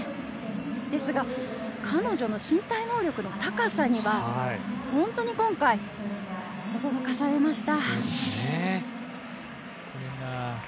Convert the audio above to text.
ですが、彼女の身体能力の高さには、本当に今回、驚かされました。